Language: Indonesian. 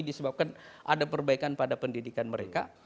disebabkan ada perbaikan pada pendidikan mereka